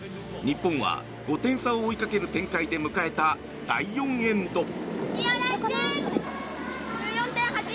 日本は５点差を追いかける展開で迎えた第４エンド。